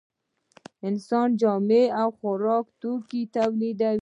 انسان جامې او خوراکي توکي تولیدوي